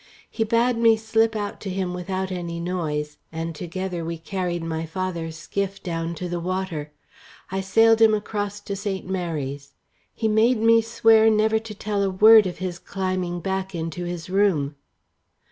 He bade me slip out to him without any noise, and together we carried my father's skiff down to the water. I sailed him across to St. Mary's. He made me swear never to tell a word of his climbing back into his room."